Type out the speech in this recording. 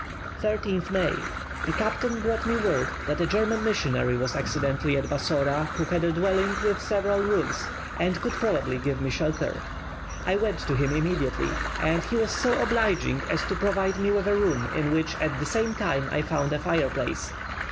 13th May. The captain brought me word that a German missionary was accidentally at Bassora, who had a dwelling with several rooms, and could probably give me shelter. I went to him immediately, and he was so obliging as to provide me with a room in which, at the same time, I found a fireplace.